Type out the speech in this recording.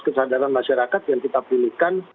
kesadaran masyarakat yang kita pilihkan